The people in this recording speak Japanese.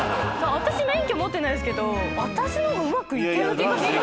私免許持ってないですけど私の方がうまくいける気がする。